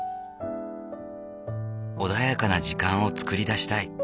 穏やかな時間を作り出したい。